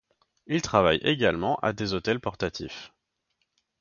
Il travaille également à des autels portatifs.